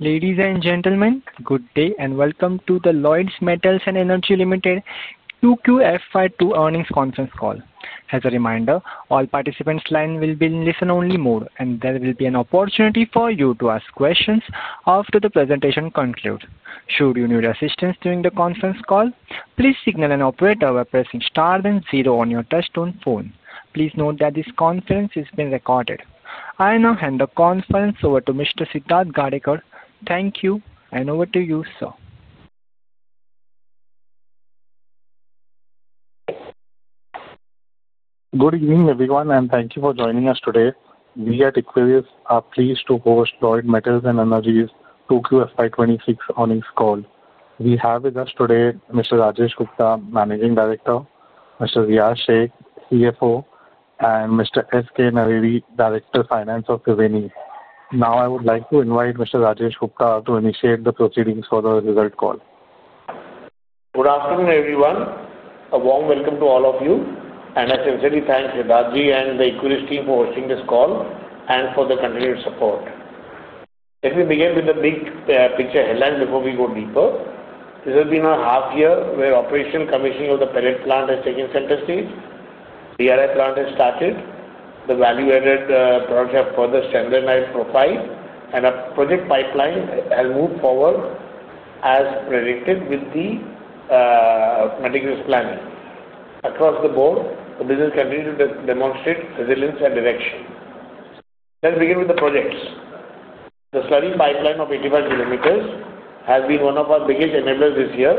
Ladies and gentlemen, good day and welcome to the Lloyds Metals and Energy Limited Q2 FY 2026 earnings conference call. As a reminder, all participants' lines will be in listen-only mode, and there will be an opportunity for you to ask questions after the presentation concludes. Should you need assistance during the conference call, please signal an operator by pressing star then zero on your touch-tone phone. Please note that this conference is being recorded. I now hand the conference over to Mr. Siddharth Gadekar. Thank you, and over to you, sir. Good evening, everyone, and thank you for joining us today. We at Equirus are pleased to host Lloyds Metals and Energy's Q2 FY 2026 earnings call. We have with us today Mr. Rajesh Gupta, Managing Director; Mr. Riyaz Shaikh, CFO; and Nalevi, Director of Finance of Thriveni. Now, I would like to invite Mr. Rajesh Gupta to initiate the proceedings for the result call. Good afternoon, everyone. A warm welcome to all of you. I sincerely thank Siddharth and the Equirus team for hosting this call and for the continued support. Let me begin with the big picture headline before we go deeper. This has been a half-year where operational commissioning of the pellet plant has taken center stage. The DRI plant has started. The value-added products have further standardized profile, and our project pipeline has moved forward as predicted with the meticulous planning. Across the board, the business continues to demonstrate resilience and direction. Let's begin with the projects. The slurry pipeline of 85 km has been one of our biggest enablers this year,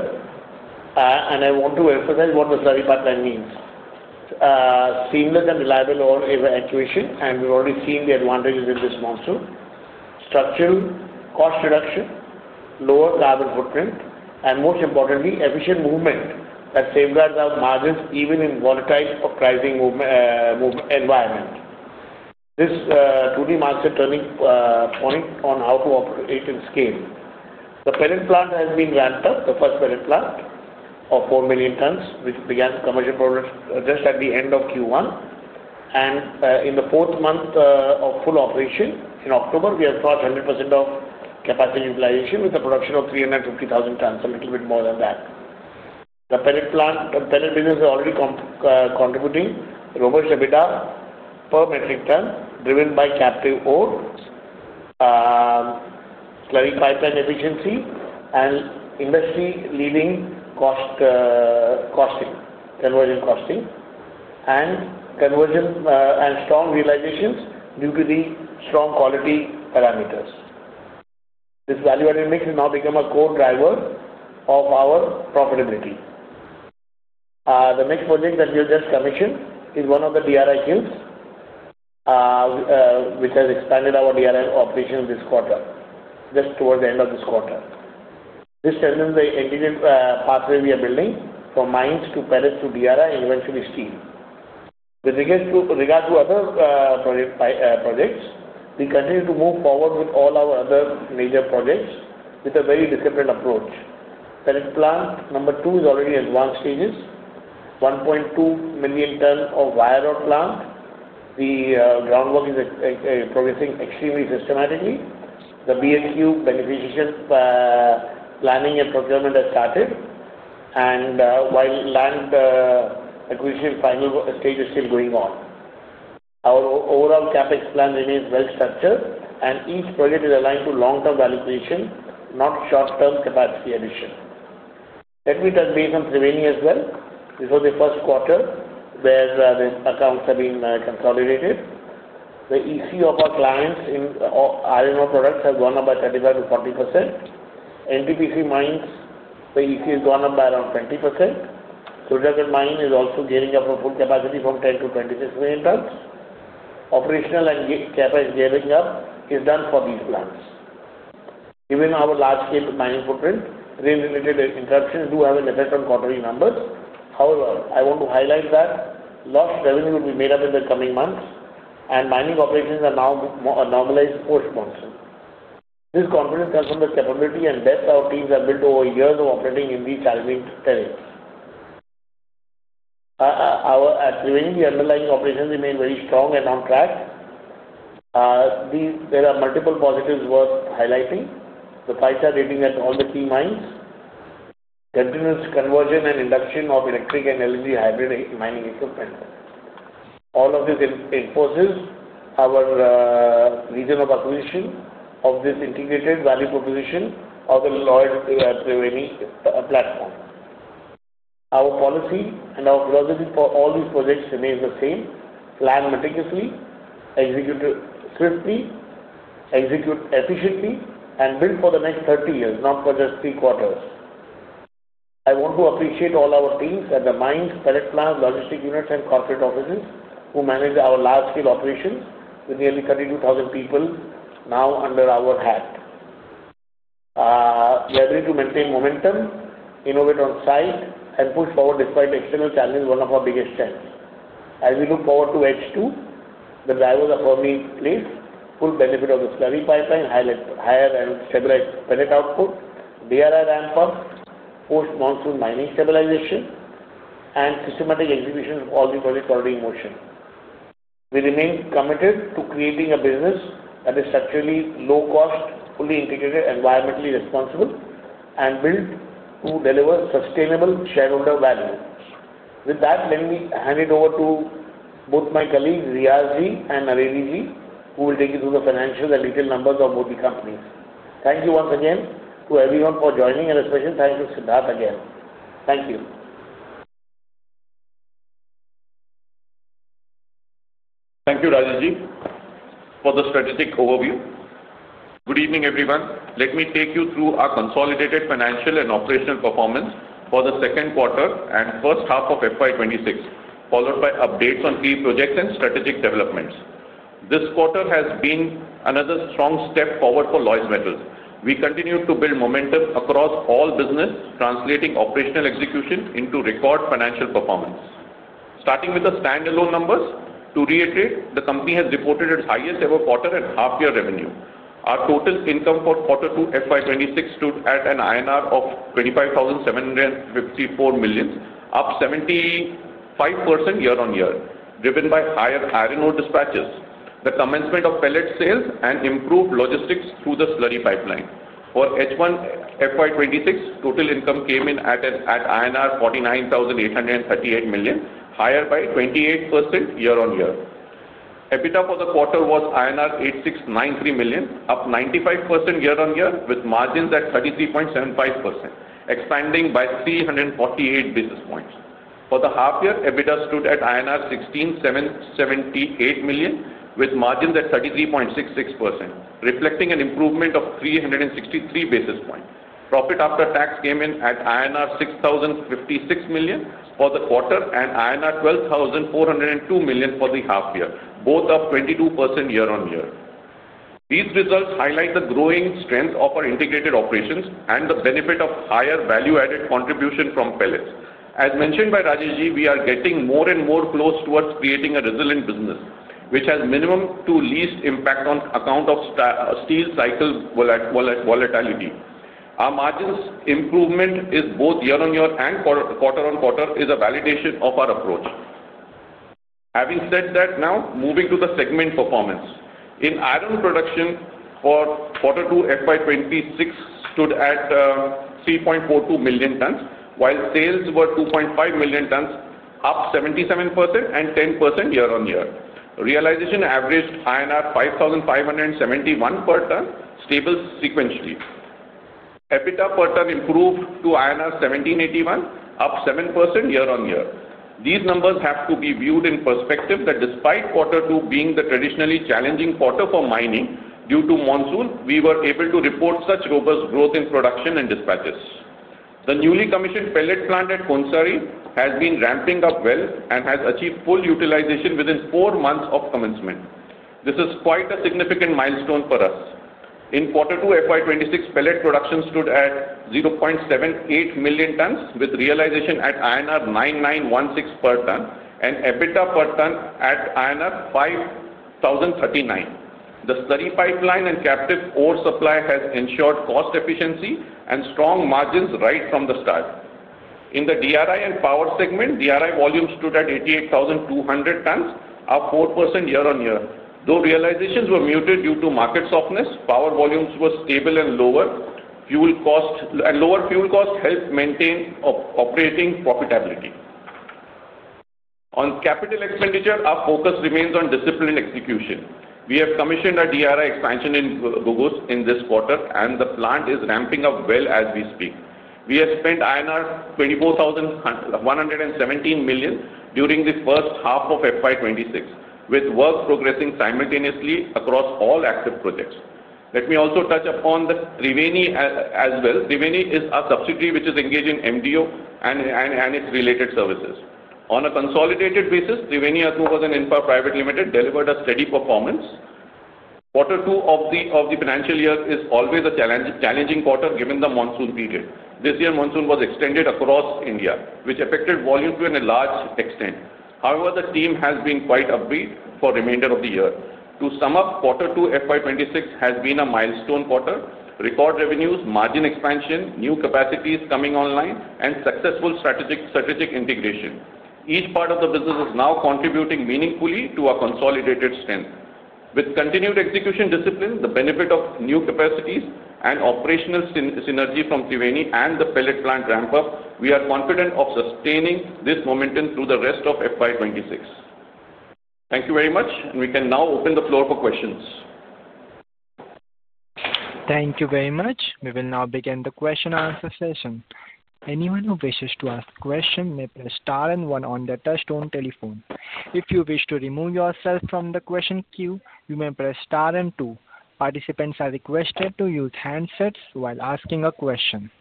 and I want to emphasize what the slurry pipeline means. Seamless and reliable ore evacuation, and we've already seen the advantages in this monsoon. Structural cost reduction, lower carbon footprint, and most importantly, efficient movement that safeguards our margins even in volatile or crisis environments. This truly marks a turning point on how to operate and scale. The pellet plant has been ramped up, the first pellet plant of 4 million tons, which began commercial production just at the end of Q1. In the fourth month of full operation, in October, we have crossed 100% of capacity utilization with a production of 350,000 tons, a little bit more than that. The pellet business is already contributing robust EBITDA per metric ton, driven by captive oil, slurry pipeline efficiency, industry-leading conversion costing, and strong realizations due to the strong quality parameters. This value-added mix has now become a core driver of our profitability. The next project that we have just commissioned is one of the DRI kilns, which has expanded our DRI operation this quarter, just towards the end of this quarter. This tells us the engineered pathway we are building from mines to pellets to DRI and eventually steel. With regard to other projects, we continue to move forward with all our other major projects with a very disciplined approach. Pellet plant number two is already in advanced stages, 1.2 million tons of wire rope plant. The groundwork is progressing extremely systematically. The BHQ beneficiary planning and procurement has started, and while land acquisition, final stage is still going on. Our overall CapEx plan remains well structured, and each project is aligned to long-term value creation, not short-term capacity addition. Let me touch base on Thriveni as well. This was the first quarter where the accounts have been consolidated. The EC of our clients in iron ore products has gone up by 35%-40%. NTPC mines, the EC has gone up by around 20%. Surjagarh mine is also gearing up for full capacity from 10 million-26 million tons. Operational and CapEx gearing up is done for these plants. Given our large scale mining footprint, rain-related interruptions do have an effect on quarterly numbers. However, I want to highlight that lost revenue will be made up in the coming months, and mining operations are now normalized post-monsoon. This confidence comes from the capability and depth our teams have built over years of operating in these challenging terrains. At Ravini, the underlying operations remain very strong and on track. There are multiple positives worth highlighting. The price are reading at all the key mines. Continuous conversion and induction of electric and LNG hybrid mining equipment. All of this enforces our reason of acquisition of this integrated value proposition of the Lloyds Metals and Energy platform. Our policy and our philosophy for all these projects remains the same: plan meticulously, execute swiftly, execute efficiently, and build for the next 30 years, not for just three quarters. I want to appreciate all our teams at the mines, pellet plants, logistic units, and corporate offices who manage our large-scale operations with nearly 32,000 people now under our hat. We are able to maintain momentum, innovate on site, and push forward despite external challenges, one of our biggest strengths. As we look forward to edge two, the drivers are firmly in place. Full benefit of the slurry pipeline, higher and stabilized pellet output, DRI ramp-up, post-monsoon mining stabilization, and systematic execution of all these projects following motion. We remain committed to creating a business that is structurally low cost, fully integrated, environmentally responsible, and built to deliver sustainable shareholder value. With that, let me hand it over to both my colleagues, Riyaz and Nalevi, who will take you through the financials and detailed numbers of both the companies. Thank you once again to everyone for joining, and a special thank you to Siddharth again. Thank you. Thank you, Rajesh, for the strategic overview. Good evening, everyone. Let me take you through our consolidated financial and operational performance for the second quarter and first half of FY 2026, followed by updates on key projects and strategic developments. This quarter has been another strong step forward for Lloyds Metals. We continue to build momentum across all business, translating operational execution into record financial performance. Starting with the standalone numbers, to reiterate, the company has reported its highest-ever quarter and half-year revenue. Our total income for quarter two FY 2026 stood at 25,754 million INR, up 75% year-on-year, driven by higher iron ore dispatches, the commencement of pellet sales, and improved logistics through the slurry pipeline. For H1 FY 2026, total income came in at INR 49,838 million, higher by 28% year-on-year. EBITDA for the quarter was INR 8,693 million, up 95% year-on-year, with margins at 33.75%, expanding by 348 basis points. For the half-year, EBITDA stood at INR 1,678 million, with margins at 33.66%, reflecting an improvement of 363 basis points. Profit after tax came in at INR 6,056 million for the quarter and INR 12,402 million for the half-year, both up 22% year-on-year. These results highlight the growing strength of our integrated operations and the benefit of higher value-added contribution from pellets. As mentioned by Rajesh, we are getting more and more close towards creating a resilient business, which has minimum to least impact on account of steel cycle volatility. Our margins improvement is both year-on-year and quarter-on-quarter is a validation of our approach. Having said that, now moving to the segment performance. In iron production, for quarter two FY 2026, stood at 3.42 million tons, while sales were 2.5 million tons, up 77% and 10% year-on-year. Realization averaged INR 5,571 per ton, stable sequentially. EBITDA per ton improved to INR 1,781, up 7% year-on-year. These numbers have to be viewed in perspective that despite quarter two being the traditionally challenging quarter for mining due to monsoon, we were able to report such robust growth in production and dispatches. The newly commissioned pellet plant at Konsari has been ramping up well and has achieved full utilization within four months of commencement. This is quite a significant milestone for us. In quarter two FY 2026, pellet production stood at 0.78 million tons, with realization at INR 9,916 per ton and EBITDA per ton at INR 5,039. The slurry pipeline and captive ore supply has ensured cost efficiency and strong margins right from the start. In the DRI and power segment, DRI volumes stood at 88,200 tons, up 4% year-on-year. Though realizations were muted due to market softness, power volumes were stable and lower. Lower fuel cost helped maintain operating profitability. On CapEx, our focus remains on disciplined execution. We have commissioned a DRI expansion in Ghugus in this quarter, and the plant is ramping up well as we speak. We have spent INR 24,117 million during the first half of FY 2026, with work progressing simultaneously across all active projects. Let me also touch upon Thriveni as well. Thriveni is a subsidiary which is engaged in MDO and its related services. On a consolidated basis, Thriveni Engineering and Industries Limited and Infra Private Limited delivered a steady performance. Quarter two of the financial year is always a challenging quarter given the monsoon period. This year, monsoon was extended across India, which affected volume to a large extent. However, the team has been quite upbeat for the remainder of the year. To sum up, quarter two FY 2026 has been a milestone quarter. Record revenues, margin expansion, new capacities coming online, and successful strategic integration. Each part of the business is now contributing meaningfully to our consolidated strength. With continued execution discipline, the benefit of new capacities, and operational synergy from Thriveni and the pellet plant ramp-up, we are confident of sustaining this momentum through the rest of FY 2026. Thank you very much, and we can now open the floor for questions. Thank you very much. We will now begin the question-and-answer session. Anyone who wishes to ask a question may press star and one on their touchstone telephone. If you wish to remove yourself from the question queue, you may press star and two. Participants are requested to use handsets while asking a question.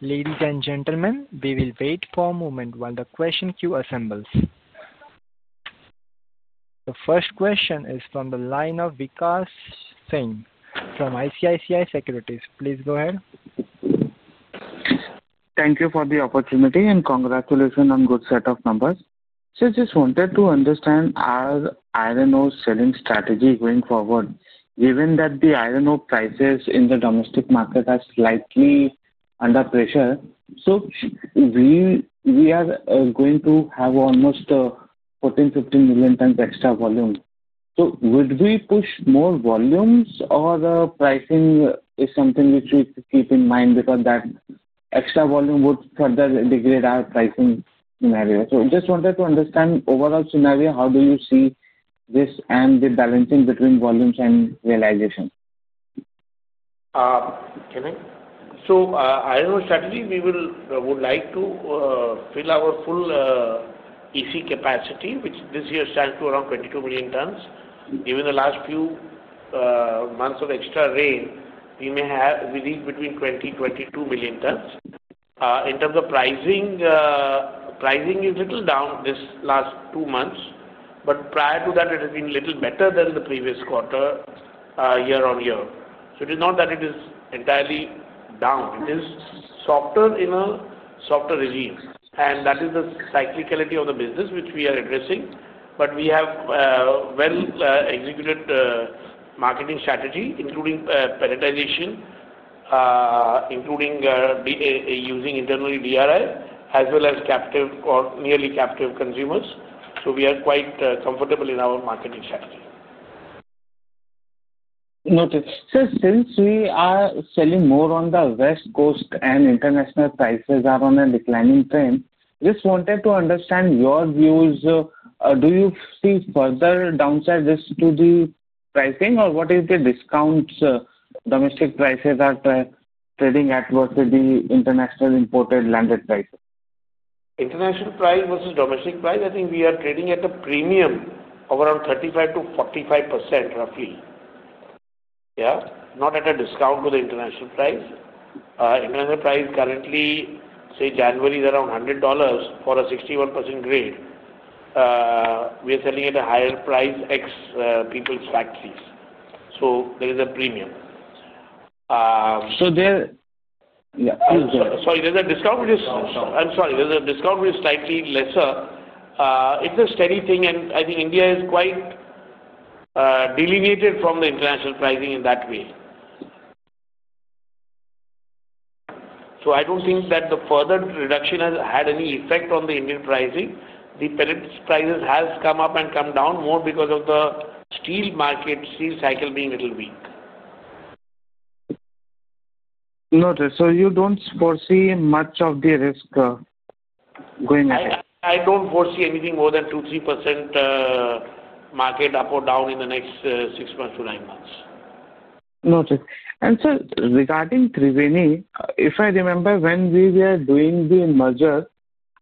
Ladies and gentlemen, we will wait for a moment while the question queue assembles. The first question is from the line of Vikas Singh from ICICI Securities. Please go ahead. Thank you for the opportunity and congratulations on a good set of numbers. I just wanted to understand our iron ore selling strategy going forward. Given that the iron ore prices in the domestic market are slightly under pressure, we are going to have almost 14 million-15 million tons extra volume. Would we push more volumes or is pricing something which we keep in mind because that extra volume would further degrade our pricing scenario? I just wanted to understand overall scenario, how do you see this and the balancing between volumes and realization? Can I? Iron ore strategy, we would like to fill our full EC capacity, which this year stands to around 22 million tons. Given the last few months of extra rain, we may have reached between 20 million-22 million tons. In terms of pricing, pricing is a little down this last two months, but prior to that, it has been a little better than the previous quarter year-on-year. It is not that it is entirely down. It is softer in a softer regime. That is the cyclicality of the business which we are addressing. We have well-executed marketing strategy, including pelletization, including using internally DRI, as well as captive or nearly captive consumers. We are quite comfortable in our marketing strategy. Noted. Since we are selling more on the West Coast and international prices are on a declining trend, just wanted to understand your views. Do you see further downside to the pricing, or what is the discount domestic prices are trading at versus the international imported landed prices? International price versus domestic price, I think we are trading at a premium of around 35%-45% roughly. Yeah, not at a discount to the international price. International price currently, say, January is around $100 for a 61% grade. We are selling at a higher price ex people's factories. So there is a premium. So there. Sorry, there's a discount which is—I'm sorry, there's a discount which is slightly lesser. It's a steady thing, and I think India is quite delineated from the international pricing in that way. I don't think that the further reduction has had any effect on the Indian pricing. The pellets prices have come up and come down more because of the steel market, steel cycle being a little weak. Noted. You don't foresee much of the risk going ahead? I don't foresee anything more than 2%-3% market up or down in the next six months to nine months. Noted. Regarding Thriveni, if I remember when we were doing the merger,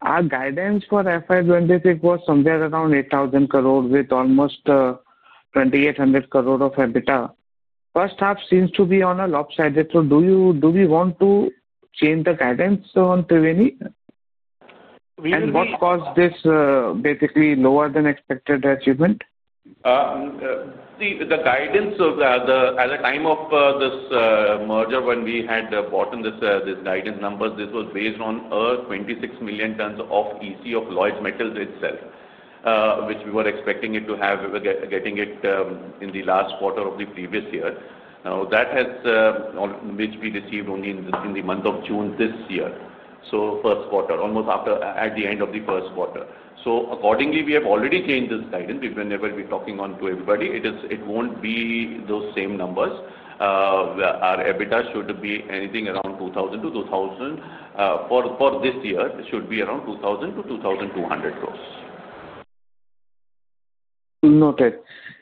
our guidance for FY 2026 was somewhere around 8,000 crore with almost 2,800 crore of EBITDA. First half seems to be on a lopsided road. Do we want to change the guidance on Thriveni? We will. What caused this basically lower than expected achievement? The guidance at the time of this merger, when we had bought in this guidance numbers, this was based on 26 million tons of EC of Lloyds Metals itself, which we were expecting it to have, getting it in the last quarter of the previous year. Now, that has which we received only in the month of June this year, almost at the end of the first quarter. Accordingly, we have already changed this guidance. We've been talking on to everybody. It won't be those same numbers. Our EBITDA should be anything around 2,000 crore-2,200 crore for this year. Noted.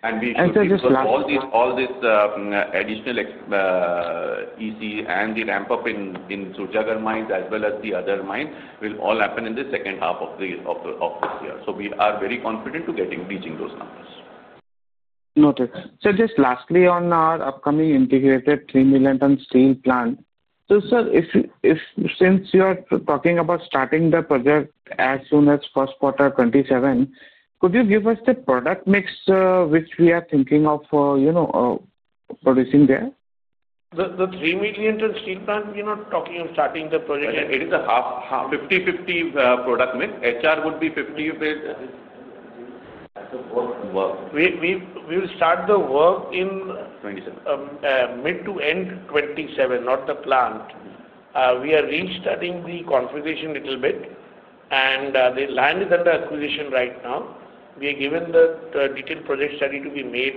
And so just last. We will see all this additional EC and the ramp-up in Surjagarh mines as well as the other mines will all happen in the second half of this year. We are very confident to reaching those numbers. Noted. Just lastly on our upcoming integrated 3 million tons steel plant. Sir, since you are talking about starting the project as soon as first quarter 2027, could you give us the product mix which we are thinking of producing there? The 3 million tons steel plant, we are not talking of starting the project. It is a half, 50-50 product mix. HR would be 50. We will start the work in mid to end 2027, not the plant. We are restarting the configuration a little bit, and the land is under acquisition right now. We are given the detailed project study to be made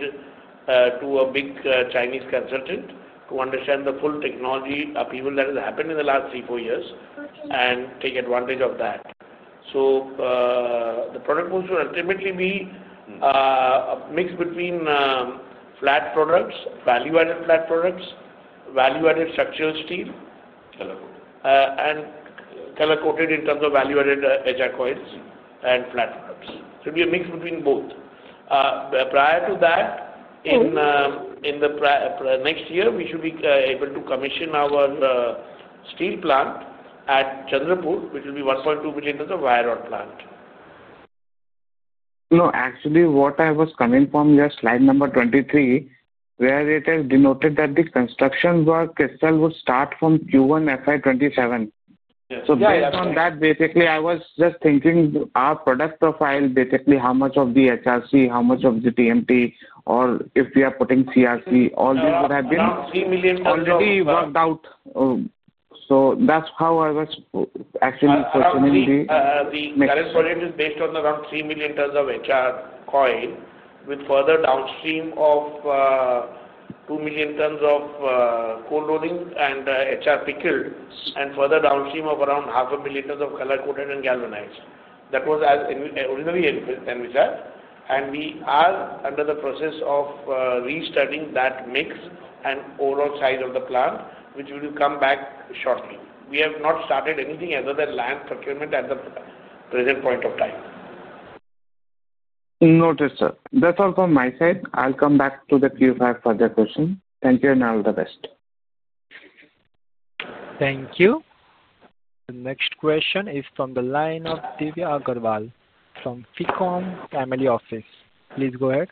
to a big Chinese consultant to understand the full technology upheaval that has happened in the last three, four years and take advantage of that. The product goals will ultimately be a mix between flat products, value-added flat products, value-added structural steel, and color-coated in terms of value-added HR coils and flat products. It will be a mix between both. Prior to that, in the next year, we should be able to commission our steel plant at Chandrapur, which will be 1.2 million tons of wire rod plant. No, actually, what I was coming from your slide number 23, where it has denoted that the construction work itself would start from Q1 FY 2027. Yes. Based on that, basically, I was just thinking our product profile, basically how much of the HRC, how much of the TMT, or if we are putting CRC, all these would have been already worked out. That is how I was actually questioning the mix. The current project is based on around 3 million tons of HR coil with further downstream of 2 million tons of cold rolling and HR pickled, and further downstream of around 500,000 tons of color-coated and galvanized. That was originally envisioned, and we are under the process of restarting that mix and overall size of the plant, which will come back shortly. We have not started anything other than land procurement at the present point of time. Noted, sir. That's all from my side. I'll come back to the Q5 further questions. Thank you and all the best. Thank you. The next question is from the line of Divya Agarwal from Ficom Family Office. Please go ahead.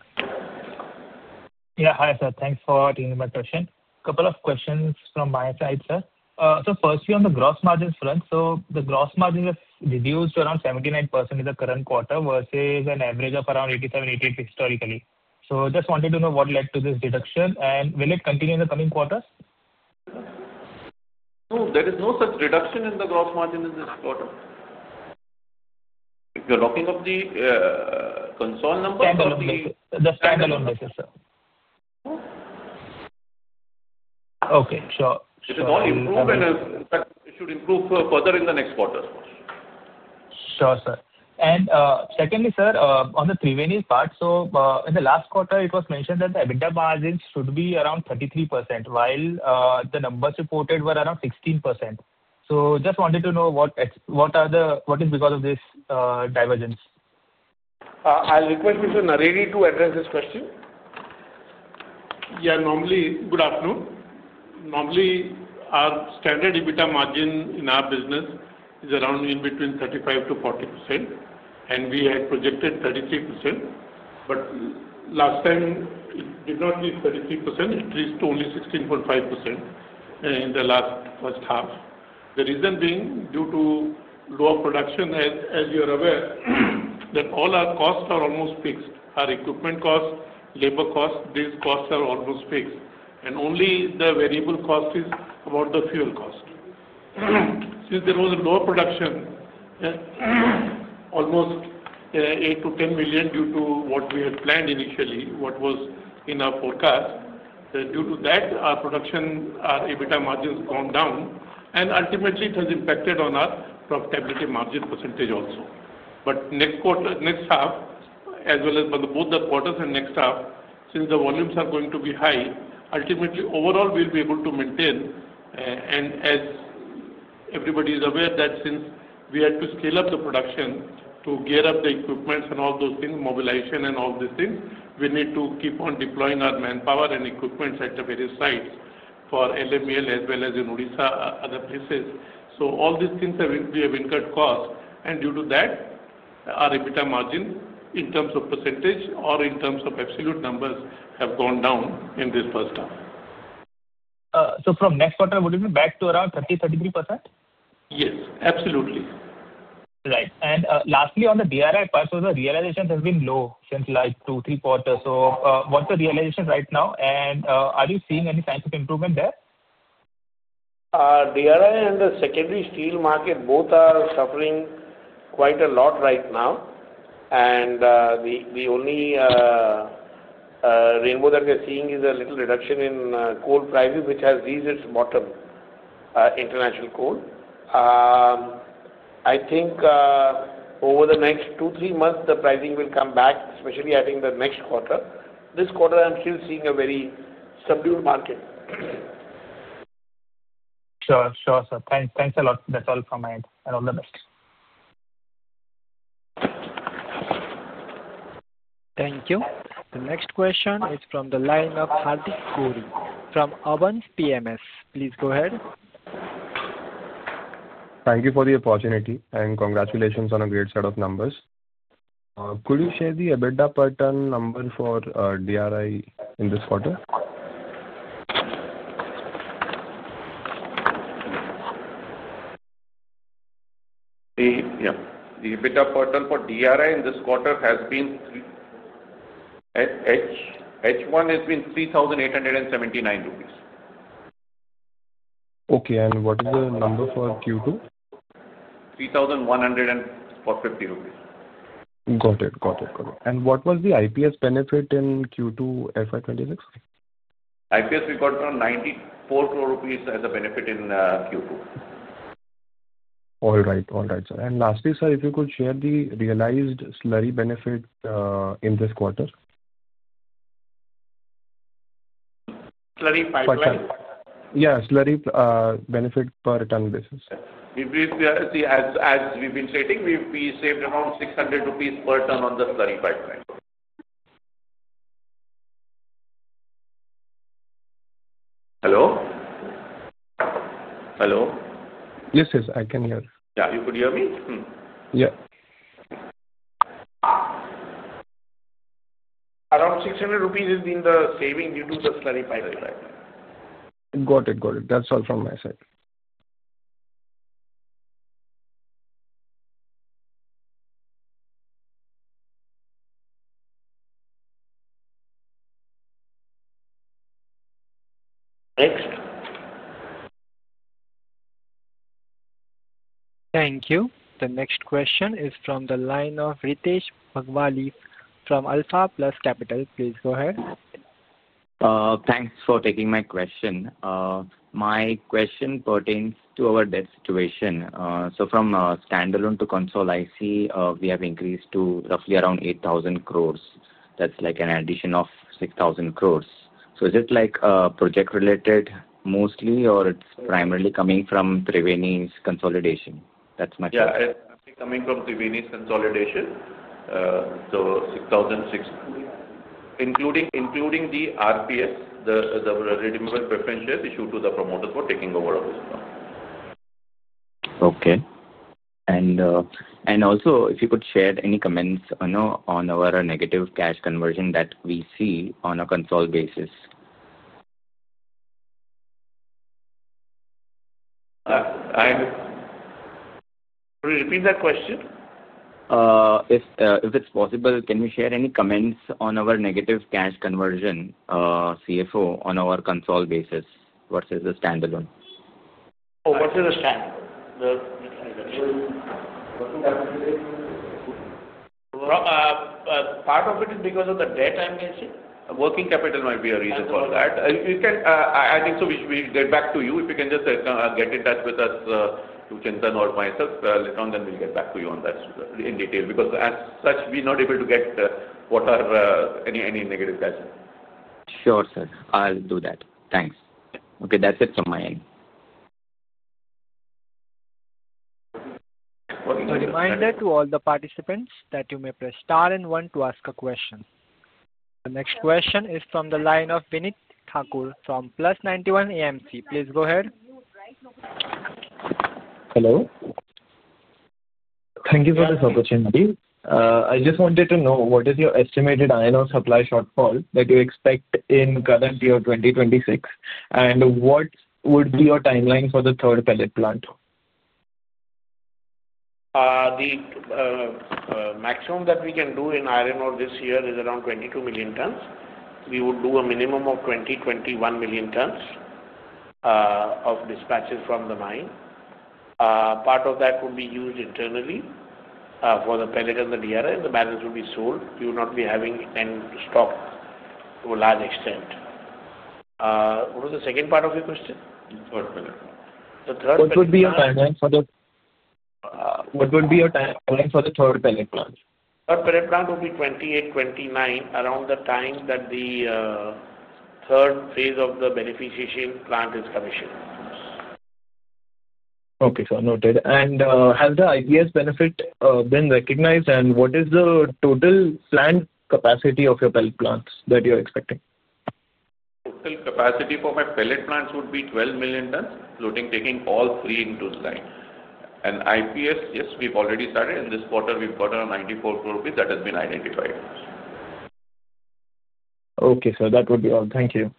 Yeah, hi sir. Thanks for taking my question. A couple of questions from my side, sir. Firstly, on the gross margin front, the gross margin has reduced around 79% in the current quarter versus an average of around 87%-88% historically. I just wanted to know what led to this deduction and will it continue in the coming quarters? No, there is no such deduction in the gross margin in this quarter. If you're looking at the consol numbers or the. Standalone basis, sir. Okay. Sure. It should improve further in the next quarter. Sure, sir. Secondly, sir, on the Thriveni part, in the last quarter, it was mentioned that the EBITDA margins should be around 33%, while the numbers reported were around 16%. I just wanted to know what is the reason for this divergence? I'll request Mr. Nalevi to address this question. Yeah, normally, good afternoon. Normally, our standard EBITDA margin in our business is around in between 35%-40%, and we had projected 33%. Last time, it did not reach 33%. It reached only 16.5% in the last first half. The reason being due to lower production, as you are aware, that all our costs are almost fixed. Our equipment costs, labor costs, these costs are almost fixed. Only the variable cost is about the fuel cost. Since there was a lower production, almost 8-10 million due to what we had planned initially, what was in our forecast, due to that, our production, our EBITDA margins have gone down, and ultimately, it has impacted on our profitability margin percentage also. Next half, as well as both the quarters and next half, since the volumes are going to be high, ultimately, overall, we'll be able to maintain. As everybody is aware, since we had to scale up the production to gear up the equipment and all those things, mobilization and all these things, we need to keep on deploying our manpower and equipment at the various sites for Lloyds Metals and Energy Limited as well as in Odisha, other places. All these things have incurred cost, and due to that, our EBITDA margin in terms of percentage or in terms of absolute numbers have gone down in this first half. From next quarter, would it be back to around 30%-33%? Yes, absolutely. Right. Lastly, on the DRI part, the realization has been low since the last two, three quarters. What is the realization right now, and are you seeing any signs of improvement there? DRI and the secondary steel market both are suffering quite a lot right now. The only rainbow that we are seeing is a little reduction in coal prices, which has reached its bottom, international coal. I think over the next two-three months, the pricing will come back, especially I think the next quarter. This quarter, I'm still seeing a very subdued market. Sure, sure, sir. Thanks a lot, that's all from my end. I'll end the next. Thank you. The next question is from the line of Hardik Doshi from Abans PMS. Please go ahead. Thank you for the opportunity, and congratulations on a great set of numbers. Could you share the EBITDA per ton number for DRI in this quarter? Yeah. The EBITDA per ton for DRI in this quarter, H1, has been INR 3,879. Okay. What is the number for Q2? 3,150 rupees. Got it. Got it. Got it. What was the IPS benefit in Q2 FY 2026? IPS recorded around 94 crore rupees as a benefit in Q2. All right. All right, sir. Lastly, sir, if you could share the realized slurry benefit in this quarter. Slurry pipeline? Yeah, slurry benefit per ton basis. As we've been stating, we saved around 600 rupees per ton on the slurry pipeline. Hello? Hello? Yes, yes. I can hear you. Yeah. You could hear me? Yeah. Around 600 rupees has been the saving due to the slurry pipeline. Got it. Got it. That's all from my side. Next. Thank you. The next question is from the line of Ritesh Bhagwati from Alpha Plus Capital. Please go ahead. Thanks for taking my question. My question pertains to our debt situation. From standalone to console, I see we have increased to roughly around 8,000 crore. That's like an addition of 6,000 crore. Is it project-related mostly, or is it primarily coming from Thriveni's consolidation? That's my question. Yeah, it's coming from Thriveni's consolidation. So including the RPS, the redeemable preference shares issued to the promoters for taking over all this fund. Okay. If you could share any comments on our negative cash conversion that we see on a console basis. Could you repeat that question? If it's possible, can you share any comments on our negative cash conversion, CFO, on our console basis versus the standalone? Oh, versus the standalone. Part of it is because of the debt, I'm guessing. Working capital might be a reason for that. I think so. We'll get back to you. If you can just get in touch with us, Chintan or myself, later on, then we'll get back to you on that in detail. Because as such, we're not able to get any negative cash. Sure, sir. I'll do that. Thanks. Okay. That's it from my end. A reminder to all the participants that you may press star and one to ask a question. The next question is from the line of Vinit Thakur from Plus91 Asset. Please go ahead. Hello. Thank you for this opportunity. I just wanted to know, what is your estimated iron ore supply shortfall that you expect in current year 2026, and what would be your timeline for the third pellet plant? The maximum that we can do in iron ore this year is around 22 million tons. We would do a minimum of 20 million-21 million tons of dispatches from the mine. Part of that would be used internally for the pellet and the DRI, and the balance would be sold. We would not be having any stock to a large extent. What was the second part of your question? The third pellet plant. The third pellet plant. What would be your timeline for the? What would be your timeline for the third pellet plant? Third pellet plant would be 2028, 2029, around the time that the third phase of the beneficiary plant is commissioned. Okay, sir. Noted. Has the IPS benefit been recognized, and what is the total planned capacity of your pellet plants that you're expecting? Total capacity for my pellet plants would be 12 million tons, including taking all three into the line. IPS, yes, we've already started. In this quarter, we've got around 94 crore rupees that has been identified. Okay, sir. That would be all. Thank you.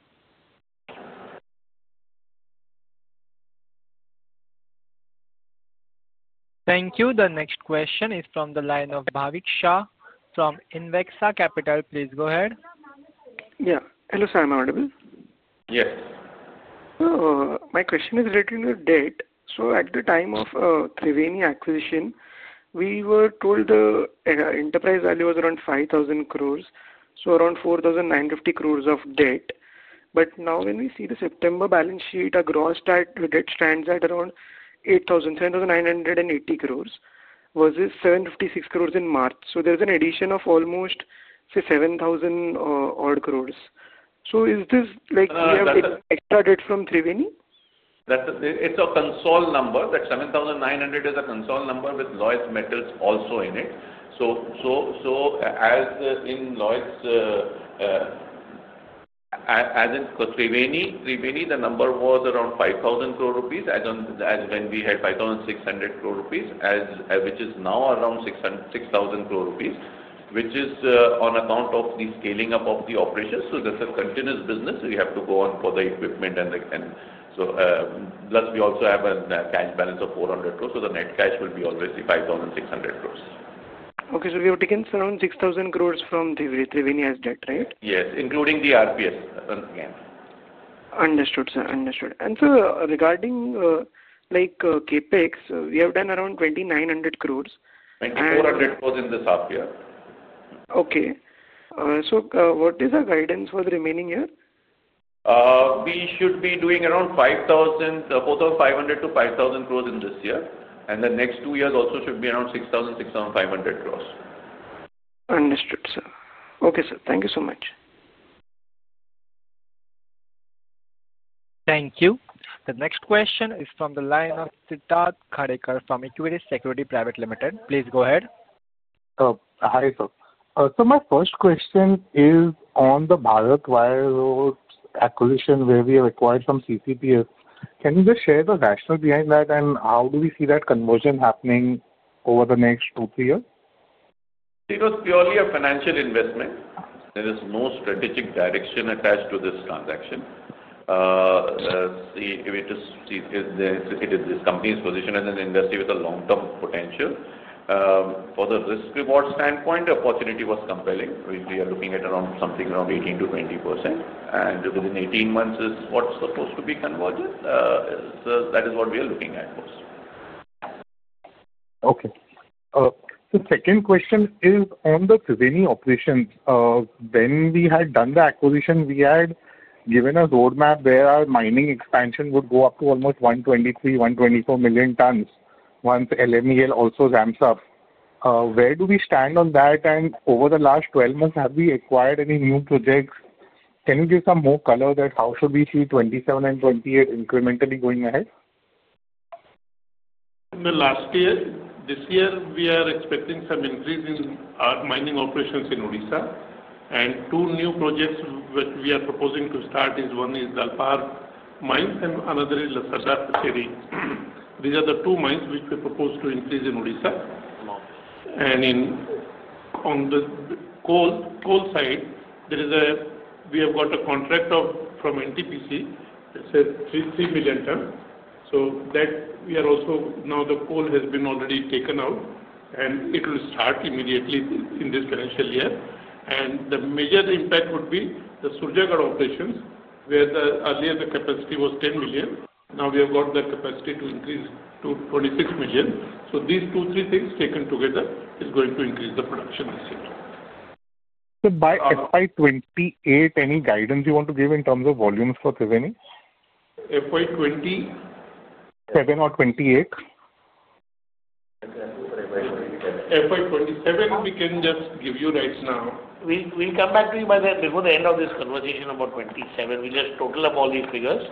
Thank you. The next question is from the line of Bhavik Shah from Invexa Capital. Please go ahead. Yeah. Hello, sir. Am I audible? Yes. My question is related to the debt. At the time of Thriveni acquisition, we were told the enterprise value was around 5,000 crore, so around 4,950 crore of debt. Now, when we see the September balance sheet, our gross debt stands at around 7,980 crore versus 756 crore in March. There is an addition of almost, say, 7,000 odd crore. Is this like we have extra debt from Thriveni? It's a console number. That 7,900 crore is a console number with Lloyds Metals also in it. As in Lloyds, as in Thriveni, the number was around 5,000 crore rupees as when we had 5,600 crore rupees, which is now around 6,000 crore rupees, which is on account of the scaling up of the operations. This is continuous business. We have to go on for the equipment. Plus, we also have a cash balance of 400 crore. The net cash will be always 5,600 crore. Okay. So we have taken around 6,000 crore from Thriveni as debt, right? Yes, including the RPS again. Understood, sir. Understood. Regarding CapEx, we have done around 2,900 crore. 2,400 crore in this half year. Okay. What is the guidance for the remaining year? We should be doing around 5,000 crore, both 500 crore-5,000 crore in this year. The next two years also should be around 6,600 crore. Understood, sir. Okay, sir. Thank you so much. Thank you. The next question is from the line of Siddharth Gadekar from Equirus Securities. Please go ahead. Hi, sir. My first question is on the Bharat Wire Ropes acquisition where we have acquired from CCPS. Can you just share the rationale behind that, and how do we see that conversion happening over the next two, three years? It was purely a financial investment. There is no strategic direction attached to this transaction. Let's see if this company is positioned as an industry with long-term potential. For the risk-reward standpoint, the opportunity was compelling. We are looking at something around 18%-20%. Within 18 months is what's supposed to be converged. That is what we are looking at most. Okay. The second question is on the Thriveni operations. When we had done the acquisition, we had given a roadmap where our mining expansion would go up to almost 123 million-124 million tons once LMEL also ramps up. Where do we stand on that? Over the last 12 months, have we acquired any new projects? Can you give some more color that how should we see 2027 and 2028 incrementally going ahead? In the last year, this year, we are expecting some increase in our mining operations in Odisha. Two new projects we are proposing to start are Dalpark Mines and Lasardas Cherry. These are the two mines which we propose to increase in Odisha. On the coal side, we have got a contract from NTPC, it says INR 3 million ton. The coal has already been taken out, and it will start immediately in this financial year. The major impact would be the Surjagarh operations, where earlier the capacity was 10 million. Now we have got the capacity to increase to 26 million. These two, three things taken together are going to increase the production this year. By FY 2028, any guidance you want to give in terms of volumes for Thriveni? FY 2020? Seven or twenty-eight? FY 2027, we can just give you right now. We'll come back to you by the end of this conversation about 2027. We'll just total up all these figures,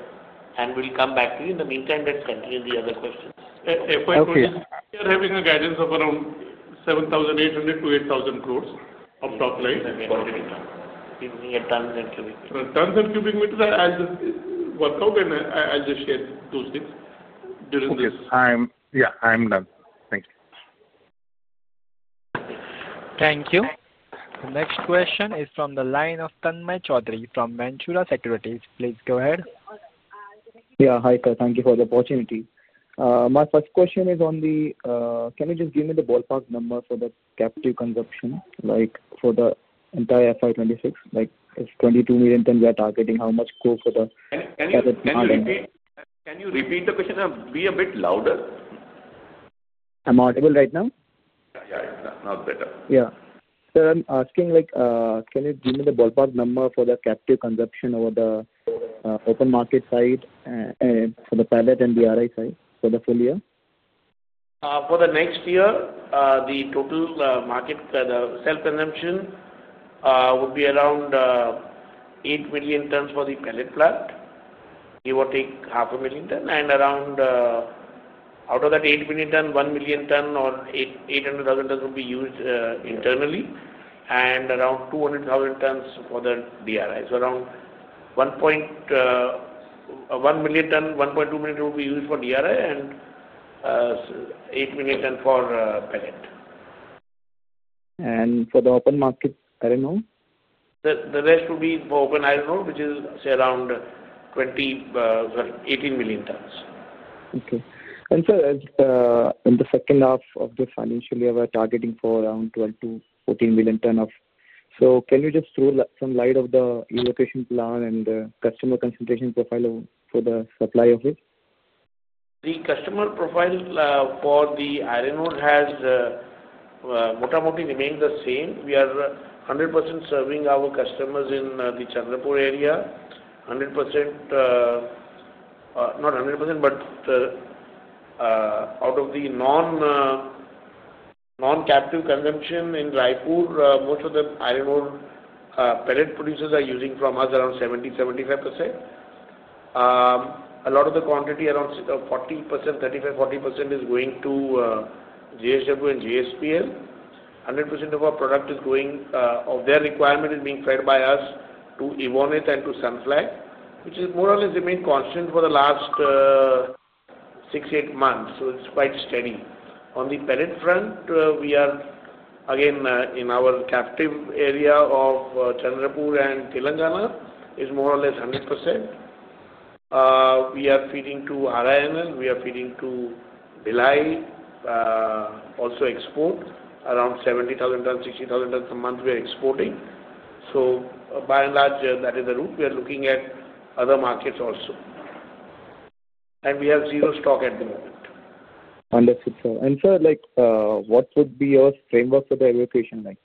and we'll come back to you. In the meantime, let's continue the other questions. FY 2028, we are having a guidance of around 7,800 crore-8,000 crore of top line volume tons. Tons and cubic meters, I'll just work out, and I'll just share two things during this. Okay. Yeah. I'm done. Thank you. Thank you. The next question is from the line of Tanmay Choudhury from Ventura Securities. Please go ahead. Yeah. Hi, sir. Thank you for the opportunity. My first question is on the can you just give me the ballpark number for the captive consumption, like for the entire FY 2026? If 22 million tons we are targeting, how much go for the captive consumption? Can you repeat the question? Be a bit louder. I audible right now? Yeah. It's now better. Yeah. Sir, I'm asking, can you give me the ballpark number for the captive consumption over the open market side for the pellet and DRI side for the full year? For the next year, the total market, the self-consumption would be around 8 million tons for the pellet plant. It will take 500,000 tons. And out of that 8 million tons, 1 million tons or 800,000 tons will be used internally, and around 200,000 tons for the DRI. Around 1 million tons, 1.2 million tons will be used for DRI and 8 million tons for pellet. For the open market, I don't know. The rest will be for open iron ore, which is, say, around 18 million tons. Okay. And sir, in the second half of the financial year, we're targeting for around 12 million-14 million tons of. So can you just throw some light of the relocation plan and the customer consultation profile for the supply of it? The customer profile for the iron ore has motamotu remained the same. We are 100% serving our customers in the Chandrapur area. 100%, not 100%, but out of the non-captive consumption in Raipur, most of the iron ore pellet producers are using from us around 70%-75%. A lot of the quantity, around 35%-40%, is going to JSW and JSPL. 100% of our product is going, of their requirement is being fed by us to Evonith and to Sunflag, which is more or less the main constant for the last six-eight months. It is quite steady. On the pellet front, we are again, in our captive area of Chandrapur and Telangana, is more or less 100%. We are feeding to RINL. We are feeding to Belai, also export around 70,000 tons, 60,000 tons a month we are exporting. By and large, that is the route. We are looking at other markets also. We have zero stock at the moment. Understood, sir. Sir, what would be your framework for the evacuation?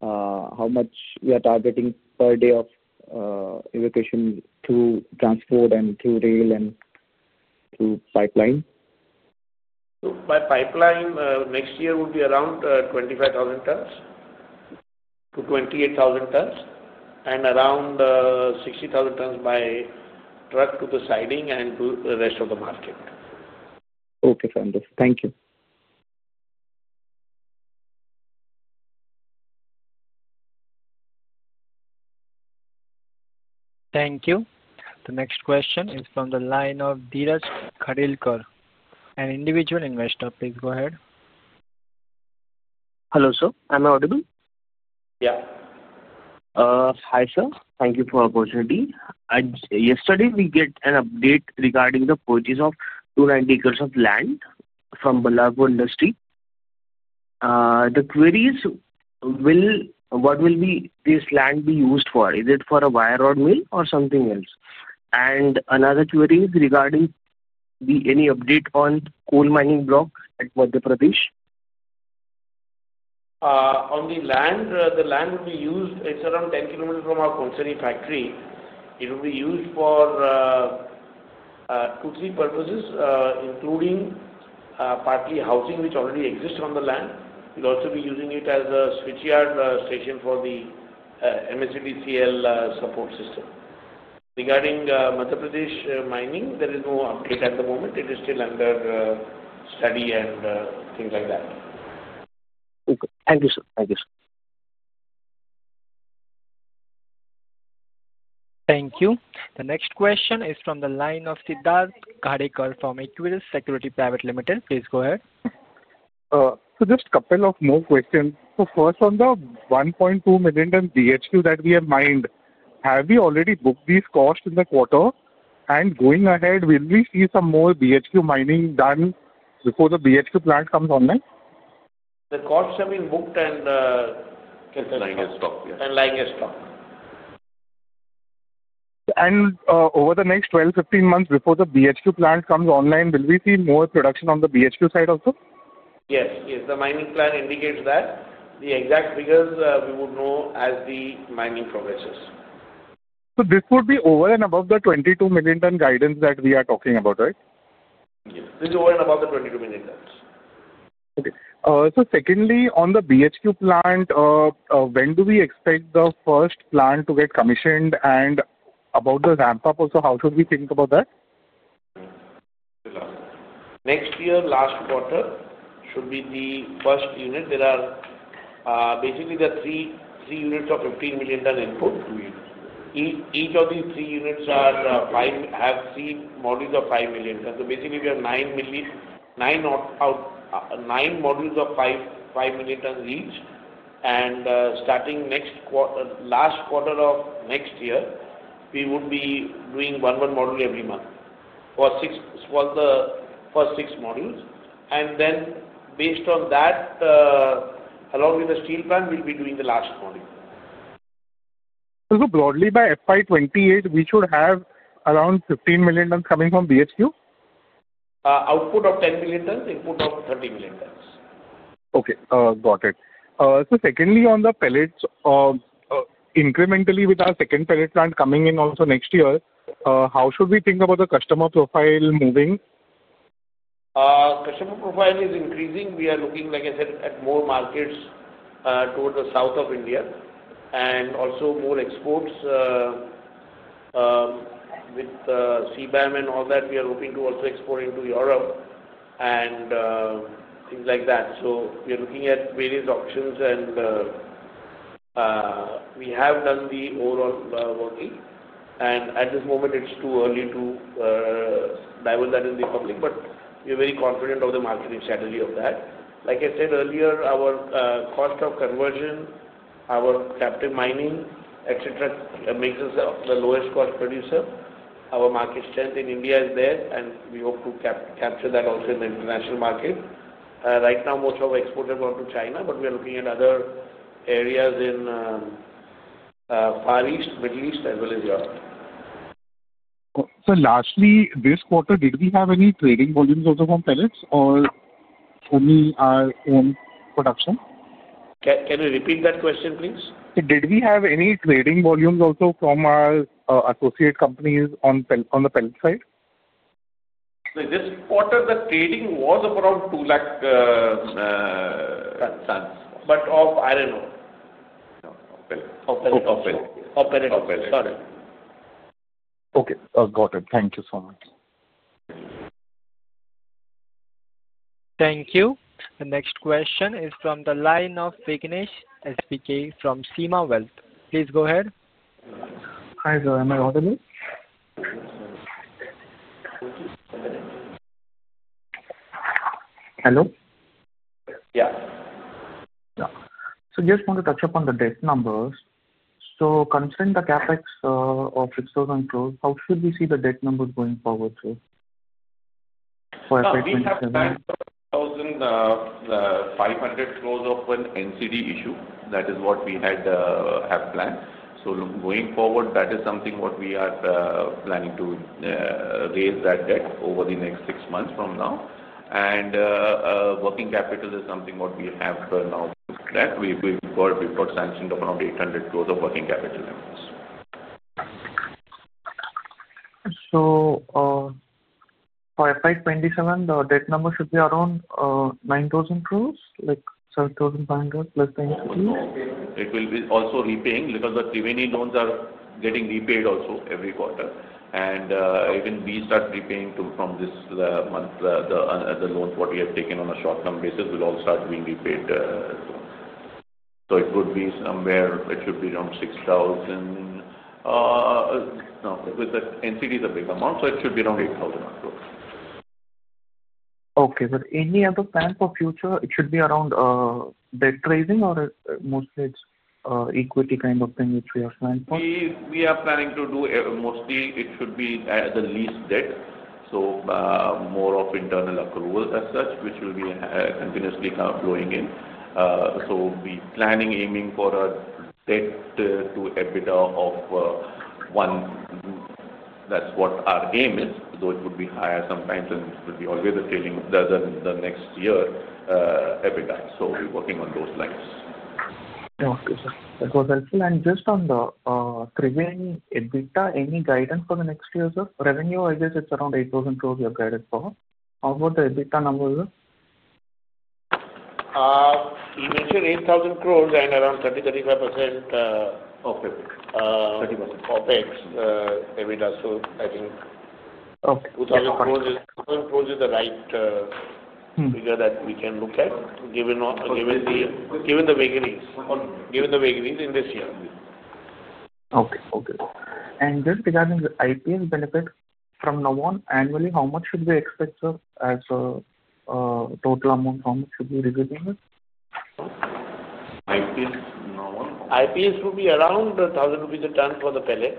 How much are we targeting per day of evacuation through transport and through rail and through pipeline? By pipeline, next year will be around 25,000 tons-28,000 tons, and around 60,000 tons by truck to the siding and to the rest of the market. Okay, sir. Understood. Thank you. Thank you. The next question is from the line of [Dirash Khadelkar], an individual investor. Please go ahead. Hello, sir. Am I audible? Yeah. Hi, sir. Thank you for the opportunity. Yesterday, we got an update regarding the purchase of 290 acres of land from Balapur Industries. The query is, what will this land be used for? Is it for a wire rod mill or something else? Another query is regarding any update on coal mining block at Madhya Pradesh? On the land, the land will be used, it's around 10 kilometers from our coal-cerry factory. It will be used for two, three purposes, including partly housing, which already exists on the land. We'll also be using it as a switchyard station for the MSCDCL support system. Regarding Madhya Pradesh mining, there is no update at the moment. It is still under study and things like that. Okay. Thank you, sir. Thank you, sir. Thank you. The next question is from the line of Siddharth Gadekar from Equirus Securities. Please go ahead. Just a couple of more questions. First, on the 1.2 million ton BHQ that we have mined, have we already booked these costs in the quarter? Going ahead, will we see some more BHQ mining done before the BHQ plant comes online? The costs have been booked. Lightning stock, yes. Lightning stock. Over the next 12, 15 months before the BHQ plant comes online, will we see more production on the BHQ side also? Yes. Yes. The mining plan indicates that. The exact figures, we would know as the mining progresses. This would be over and above the 22 million ton guidance that we are talking about, right? Yes. This is over and above the 22 million tons. Okay. Secondly, on the BHQ plant, when do we expect the first plant to get commissioned? About the ramp-up also, how should we think about that? Next year, last quarter, should be the first unit. Basically, there are three units of 15 million ton input. Each of these three units have three modules of 5 million ton. Basically, we have nine modules of 5 million tons each. Starting last quarter of next year, we would be doing one module every month for the first six modules. Based on that, along with the steel plant, we will be doing the last module. Broadly, by FY 2028, we should have around 15 million tons coming from BHQ? Output of 10 million tons, input of 30 million tons. Okay. Got it. Secondly, on the pellets, incrementally with our second pellet plant coming in also next year, how should we think about the customer profile moving? Customer profile is increasing. We are looking, like I said, at more markets towards the south of India. We are also looking at more exports with CBAM and all that. We are hoping to also export into Europe and things like that. We are looking at various options. We have done the overall working. At this moment, it is too early to divulge that in the public. We are very confident of the marketing strategy of that. Like I said earlier, our cost of conversion, our captive mining, etc., makes us the lowest cost producer. Our market strength in India is there, and we hope to capture that also in the international market. Right now, most of our exports are going to China, but we are looking at other areas in Far East, Middle East, as well as Europe. Lastly, this quarter, did we have any trading volumes also from pellets or only our own production? Can you repeat that question, please? Did we have any trading volumes also from our associate companies on the pellet side? This quarter, the trading was around 2 lakh tons of iron ore. Of pellets. Of pellets. Of pellets. Of pellets. Of pellets. Sorry. Okay. Got it. Thank you so much. Thank you. The next question is from the line of Vignesh Wealth. Please go ahead. Hi, sir. Am I audible? Hello? Yeah. Yeah. So just want to touch upon the debt numbers. So considering the CapEx of INR 6,000 crore, how should we see the debt numbers going forward, sir? For FY 2027? We have 5,000 crore of NCD issue. That is what we have planned. Going forward, that is something what we are planning to raise that debt over the next six months from now. Working capital is something what we have now. That we've got sanctioned around 800 crore of working capital in place. For FY 2027, the debt number should be around 9,000 crore, like 7,500 crore+ the NCD? It will be also repaying because the Thriveni loans are getting repaid also every quarter. Even we start repaying from this month, the loans what we have taken on a short-term basis will all start being repaid. It would be somewhere it should be around 6,000. No, with the NCD is a big amount, it should be around 8,000. Okay. Any other plan for future? It should be around debt raising or mostly it's equity kind of thing which we are planning for? We are planning to do mostly it should be the lease debt. More of internal approval as such, which will be continuously flowing in. We are planning, aiming for a debt to EBITDA of 1. That's what our aim is, though it would be higher sometimes and it will be always the trailing the next year EBITDA. We are working on those lines. Yeah. Okay, sir. That was helpful. Just on the Thriveni EBITDA, any guidance for the next year, sir? Revenue, I guess it's around 8,000 crore you have guided for. How about the EBITDA number, sir? You mentioned 8,000 crore and around 30%-35% OpEx. 30%. OpEx, EBITDA, so I think INR 2,000 crore is the right figure that we can look at given the vagaries in this year. Okay. Okay. Just regarding the IPS benefit from Navon, annually, how much should we expect, sir, as a total amount? How much should we be receiving it? IPS, Navon? IPS will be around 1,000 rupees a ton for the pellet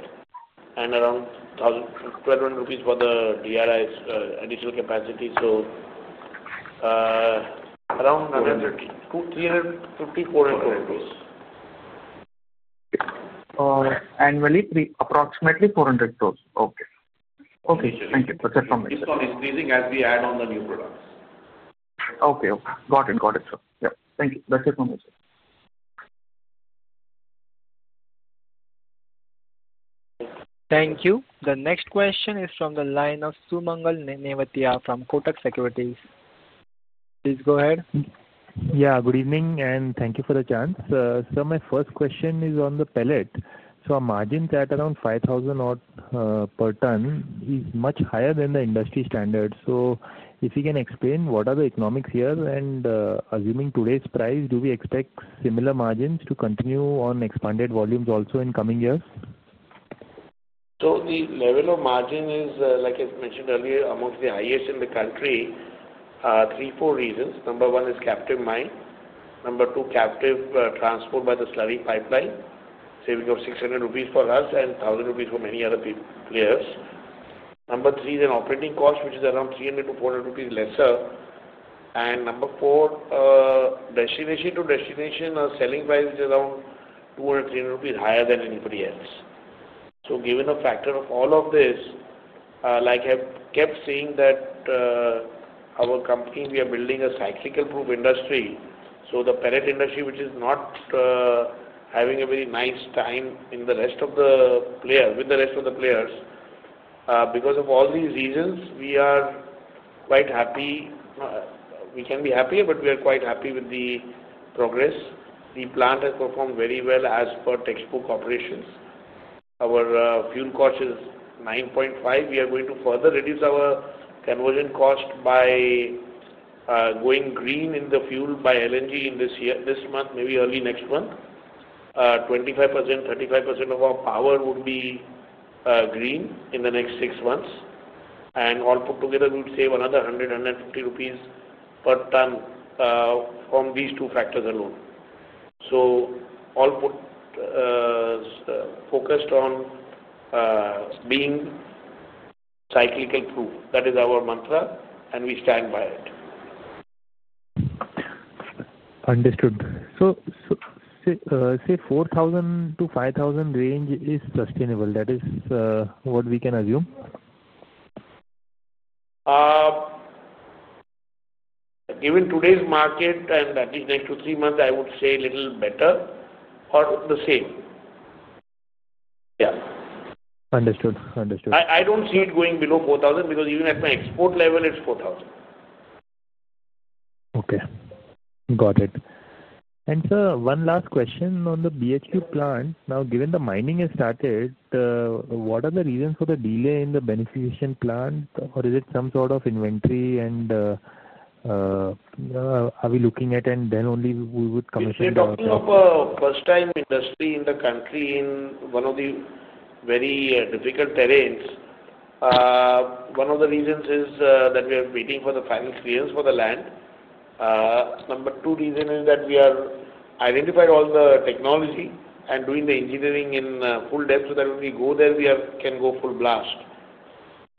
and around 1,200 rupees for the DRI additional capacity. So around. 350. INR 350, INR 400. Okay. Annually, approximately INR 400. Okay. Okay. Thank you. That's it from me. This is on increasing as we add on the new products. Okay. Got it, sir. Yeah. Thank you. That's it from me, sir. Thank you. The next question is from the line of Sumangal Nevatia from Kotak Securities. Please go ahead. Yeah. Good evening and thank you for the chance. Sir, my first question is on the pellet. Our margin is at around 5,000 per ton, which is much higher than the industry standard. If you can explain what are the economics here and assuming today's price, do we expect similar margins to continue on expanded volumes also in coming years? The level of margin is, like I mentioned earlier, amongst the highest in the country, three, four reasons. Number one is captive mine. Number two, captive transport by the slurry pipeline, saving of 600 rupees for us and 1,000 rupees for many other players. Number three is an operating cost, which is around 300-400 rupees lesser. Number four, destination to destination selling price is around 200-300 rupees higher than anybody else. Given the factor of all of this, like I have kept saying, our company, we are building a cyclical proof industry. The pellet industry, which is not having a very nice time with the rest of the players, because of all these reasons, we are quite happy. We can be happier, but we are quite happy with the progress. The plant has performed very well as per textbook operations. Our fuel cost is 9.5. We are going to further reduce our conversion cost by going green in the fuel by LNG this month, maybe early next month. 25%-35% of our power would be green in the next six months. All put together, we would save another 100-150 rupees per ton from these two factors alone. All focused on being cyclical proof. That is our mantra, and we stand by it. Understood. So say 4,000-5,000 range is sustainable. That is what we can assume? Given today's market and at least next two to three months, I would say a little better or the same. Yeah. Understood. Understood. I do not see it going below 4,000 because even at my export level, it is 4,000. Okay. Got it. Sir, one last question on the BHQ plant. Now, given the mining has started, what are the reasons for the delay in the beneficiary plant? Or is it some sort of inventory, and are we looking at, and then only we would commission the? We are talking of a first-time industry in the country in one of the very difficult terrains. One of the reasons is that we are waiting for the final clearance for the land. Number two reason is that we have identified all the technology and doing the engineering in full depth so that when we go there, we can go full blast.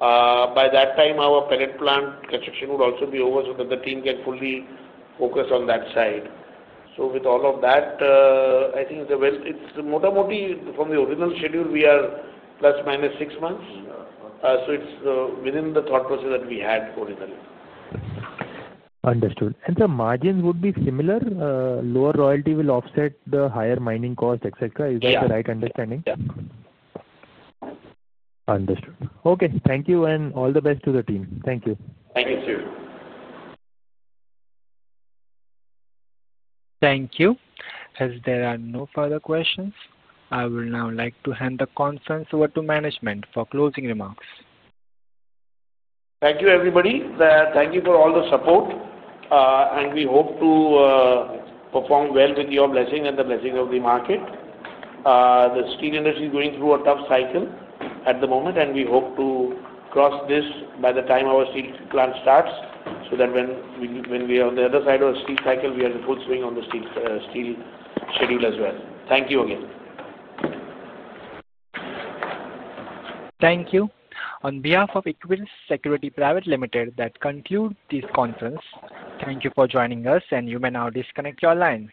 By that time, our pellet plant construction would also be over so that the team can fully focus on that side. With all of that, I think it's more or more from the original schedule, we are ±6 months. It is within the thought process that we had originally. Understood. The margins would be similar? Lower royalty will offset the higher mining cost, etc. Is that the right understanding? Yeah. Understood. Okay. Thank you and all the best to the team. Thank you. Thank you, sir. Thank you. As there are no further questions, I would now like to hand the conference over to management for closing remarks. Thank you, everybody. Thank you for all the support. We hope to perform well with your blessing and the blessing of the market. The steel industry is going through a tough cycle at the moment, and we hope to cross this by the time our steel plant starts so that when we are on the other side of the steel cycle, we are in full swing on the steel schedule as well. Thank you again. Thank you. On behalf of Equirus Securities, that concludes this conference. Thank you for joining us, and you may now disconnect your line.